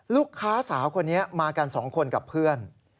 ลูกค้าสาวคนนี้มากัน๒คนกับเพื่อน